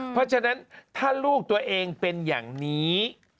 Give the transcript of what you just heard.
เพราะฉะนั้นถ้าลูกตัวเองเป็นอย่างนี้